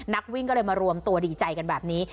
นักวิ่งก็เลยมารวมตัวดีใจกันแบบนี้